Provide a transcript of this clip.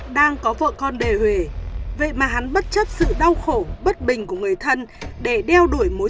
đang có vợ con đề hùy vậy mà hắn bất chấp sự đau khổ bất bình của người thân để đeo đuổi mối